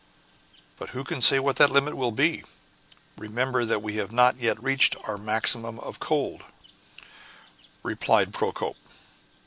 "But who can say what that limit will be? Remember that we have not yet reached our maximum of cold," replied Procope.